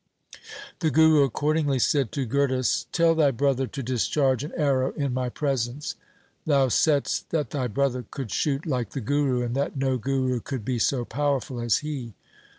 The Guru accordingly said to Gurdas, ' Tell thy brother to discharge an arrow in my presence. Thou saidst that thy brother could shoot like the Guru, and that no Guru could be so powerful as he.'